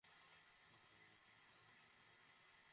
কথা হচ্ছে এগুলো খুব বেশি নজরে আসে না।